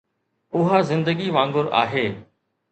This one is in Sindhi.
اها زندگي وانگر آهي